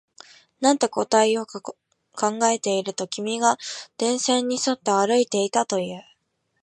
なんて答えようか考えていると、君が電線に沿って歩いていたと言う